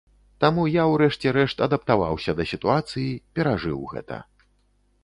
Таму я, урэшце рэшт, адаптаваўся да сітуацыі, перажыў гэта.